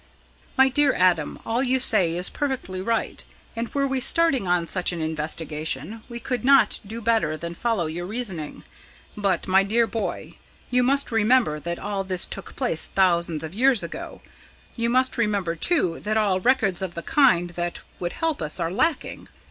"My dear Adam, all you say is perfectly right, and, were we starting on such an investigation, we could not do better than follow your reasoning. But, my dear boy, you must remember that all this took place thousands of years ago. You must remember, too, that all records of the kind that would help us are lacking.